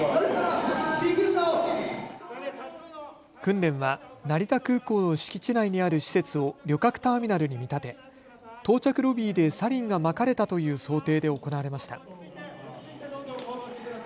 訓練は成田空港の敷地内にある施設を旅客ターミナルに見立て到着ロビーでサリンがまかれたという想定で行われました。